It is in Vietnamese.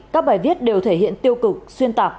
các bài viết đều thể hiện tiêu cực xuyên tạc